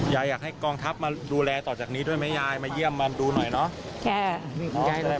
อยากให้กองทัพมาดูแลต่อจากนี้ด้วยไหมยายมาเยี่ยมมาดูหน่อยเนาะ